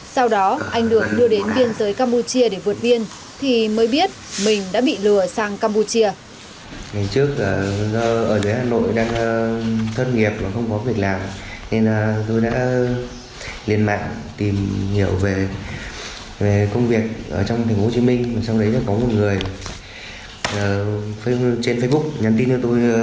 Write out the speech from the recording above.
sau đó anh được đưa đến viên giới campuchia để vượt viên thì mới biết mình đã bị lừa sang campuchia